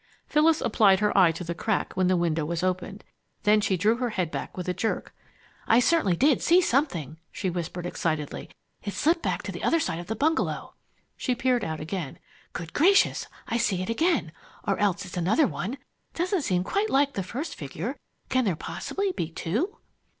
Phyllis applied her eye to the crack when the window was opened. Then she drew her head back with a jerk. "I certainly did see something!" she whispered excitedly. "It slipped back to the other side of the bungalow!" She peered out again. "Good gracious! I see it again or else it's another one. Doesn't seem quite like the first figure. Can there possibly be two?"